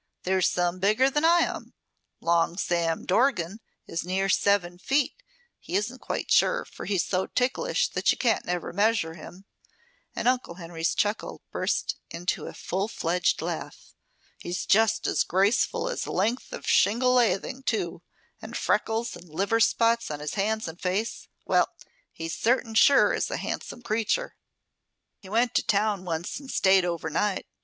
There's some bigger than I. Long Sam Dorgan is near seven feet he isn't quite sure, for he's so ticklish that you can't ever measure him," and Uncle Henry's chuckle burst into a full fledged laugh. "He's just as graceful as a length of shingle lathing, too. And freckles and liver spots on his hands and face, well, he certain sure is a handsome creature. "He went to town once and stayed over night.